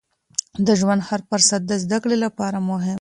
د ژوند هر فرصت د زده کړې لپاره مهم دی.